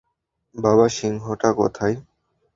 বাবা - সিংহটা কোথায়?